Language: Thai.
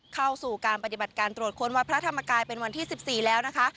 เข้าสู่การปฏิบัติการตรวจค้นวัดพระธรรมกายเป็นวันที่๑๔แล้วนะคะ